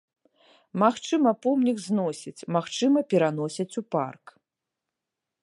Магчыма, помнік зносяць, магчыма, пераносяць у парк.